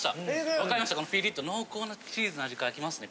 わかりましたこのピリッと濃厚なチーズの味からきますね